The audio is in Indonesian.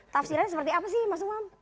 tafsirannya seperti apa sih mas umam